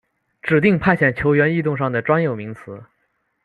指定派遣球员异动上的专有名词。